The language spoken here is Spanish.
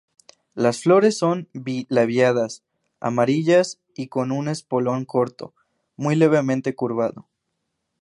Las flores son bi-labiadas, amarillas y con un espolón corto, muy levemente curvado.